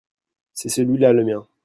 c'est celui-là le mien.